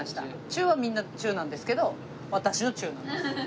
「中」はみんな「中」なんですけど私の「中」なんです。